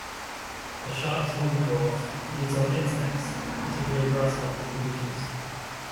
The Sharpe's longclaw feeds on insects, particularly grasshoppers and beetles.